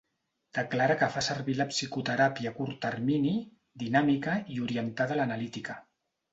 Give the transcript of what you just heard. Declara que fa servir la psicoteràpia a curt termini, dinàmica i orientada a l'analítica.